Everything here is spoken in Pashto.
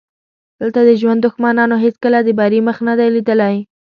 دلته د ژوند دښمنانو هېڅکله د بري مخ نه دی لیدلی.